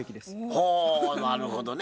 はあなるほどね。